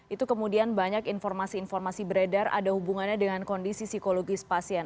itu kemudian banyak informasi informasi beredar ada hubungannya dengan kondisi psikologis pasien